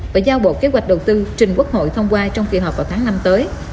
và giao bộ kế hoạch đầu tư trình quốc hội thông qua trong kỳ họp vào tháng năm tới